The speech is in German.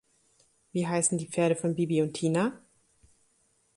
Wie heißen die Pferde von Bibi und Tina?